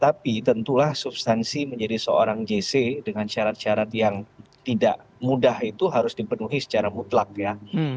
tapi tentulah substansi menjadi seorang jc dengan syarat syarat yang tidak mudah itu harus dipenuhi secara mutlak ya